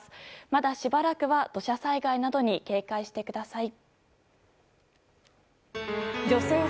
まだしばらくは土砂災害などに警戒してください。